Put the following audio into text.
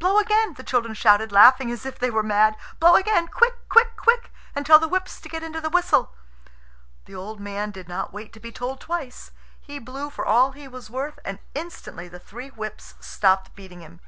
"Blow again!" the children shouted, laughing as if they were mad. "Blow again quick, quick, quick! and tell the whips to get into the whistle." The old man did not wait to be told twice. He blew for all he was worth, and instantly the three whips stopped beating him.